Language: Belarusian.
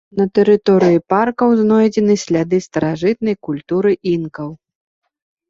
На тэрыторыі паркаў знойдзены сляды старажытнай культуры інкаў.